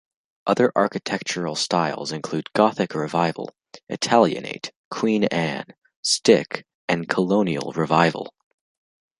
Other architectural styles include Gothic Revival, Italianate, Queen Anne, Stick and Colonial Revival.